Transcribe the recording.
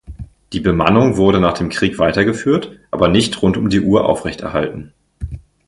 Die Bemannung wurde nach dem Krieg weitergeführt, aber nicht rund um die Uhr aufrechterhalten.